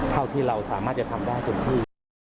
เท่าที่เราสามารถทำได้คนที่